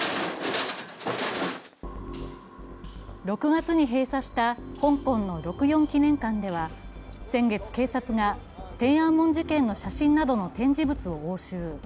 ６月に閉鎖した香港の六四記念館では先月、警察が天安門事件の写真などの展示物を押収。